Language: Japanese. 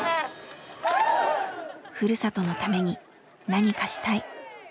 「ふるさとのために何かしたい」